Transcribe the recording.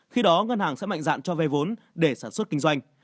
khi đó ngân hàng sẽ mạnh dạng cho ve vốn để sản xuất kinh doanh